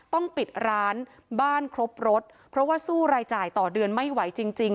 ต้องปิดร้านบ้านครบรถเพราะว่าสู้รายจ่ายต่อเดือนไม่ไหวจริงจริง